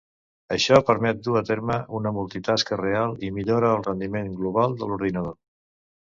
Això permet dur a terme una multitasca real i millora el rendiment global de l'ordinador.